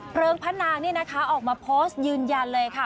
เพลิงพระนางนี่นะคะออกมาโพสต์ยืนยันเลยค่ะ